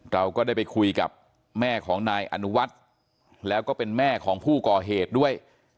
เราก็ได้ไปคุยกับแม่ของนายอนุวัฒน์แล้วก็เป็นแม่ของผู้ก่อเหตุด้วย